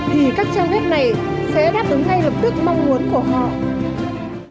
thì các trang web này sẽ đáp ứng ngay lập tức mong muốn của họ